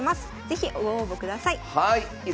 是非ご応募ください。